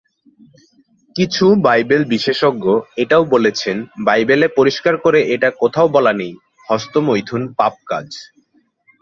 কিছু বাইবেল বিশেষজ্ঞ এটাও বলেছেন, বাইবেলে পরিষ্কার করে এটা কোথাও বলা নেই, হস্তমৈথুন পাপ কাজ।